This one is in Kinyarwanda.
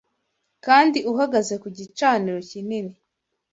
Kandi uhagaze ku gicaniro kinini